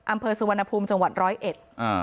อำเภอสุวรรณภูมิจังหวัด๑๐๑